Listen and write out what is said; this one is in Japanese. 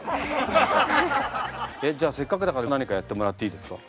えっじゃあせっかくだから何かやってもらっていいですか？